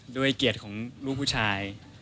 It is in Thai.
ด้วยเกียรติของลูกผู้ชาย